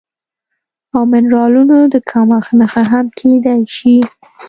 او منرالونو د کمښت نښه هم کیدی شي